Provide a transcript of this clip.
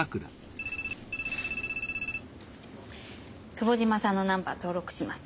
久保島さんのナンバー登録します。